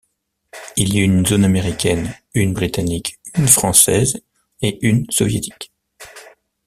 Il y eut une zone américaine, une britannique, une française et une soviétique.